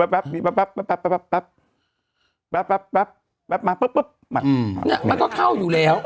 แบบนี้แบบนี้แป๊บมันก็เข้าอยู่แล้ว